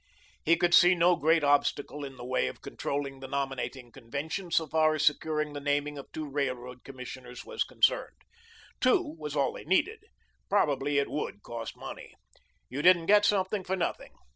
He could see no great obstacle in the way of controlling the nominating convention so far as securing the naming of two Railroad Commissioners was concerned. Two was all they needed. Probably it WOULD cost money. You didn't get something for nothing.